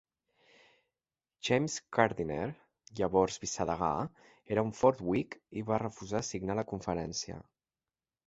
James Gardiner, llavors vicedegà, era un fort whig i va refusar signar la conferència.